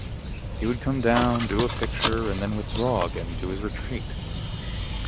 He would come down, do a picture, and then withdraw again to his retreat.